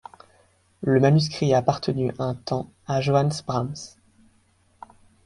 Le manuscrit a appartenu un temps à Johannes Brahms.